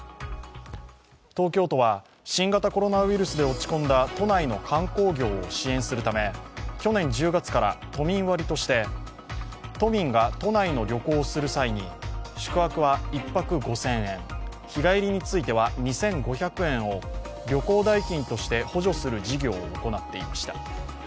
東京都は、新型コロナウイルスで落ち込んだ都内の観光業を支援するため去年１０月から都民割として都民が都内を旅行する際に宿泊は１泊５０００円、日帰りについては２５００円を旅行代金として補助する事業を行っていました。